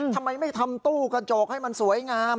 ทำไมไม่ทำตู้กระจกให้มันสวยงาม